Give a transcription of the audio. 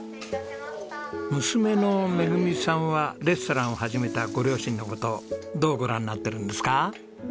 娘のめぐみさんはレストランを始めたご両親の事をどうご覧になってるんですか？